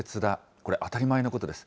これ、当たり前のことです。